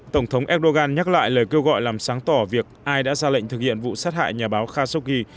tổng thống erdogan nhắc lại lời kêu gọi làm sáng tỏ việc ai đã ra lệnh thực hiện vụ sát hại nhà báo khashoggi